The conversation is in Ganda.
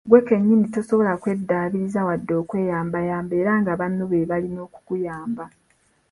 Ggwe kennyini tosobola kweddaabiriza wadde okweyambayamba era nga banno beebalina okukuyamba.